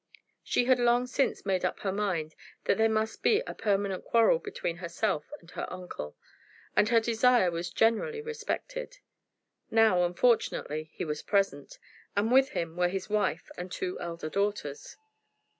She had long since made up her mind that there must be a permanent quarrel between herself and her uncle, and her desire was generally respected. Now, unfortunately, he was present, and with him were his wife and two elder daughters.